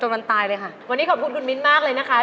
วันนี้ขอบคุณคุณโหมินมากเลยนะคะ